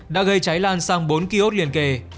đã gây cháy lan sang bốn kiosk liền kề